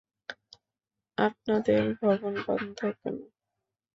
আপনাদের ভবন বন্ধ কেন?